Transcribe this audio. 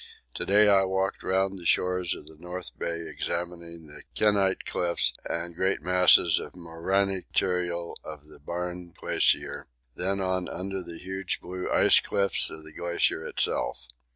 To day I walked round the shores of the North Bay examining the kenyte cliffs and great masses of morainic material of the Barne Glacier, then on under the huge blue ice cliffs of the Glacier itself.